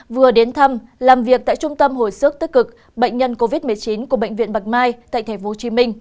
vừa đến thăm làm việc tại trung tâm hồi sức tích cực bệnh nhân covid một mươi chín của bệnh viện bạch mai tại tp hcm